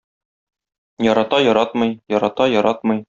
Ярата-яратмый, ярата-яратмый...